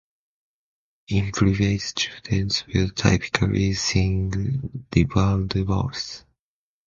In private, students will typically sing ribald words.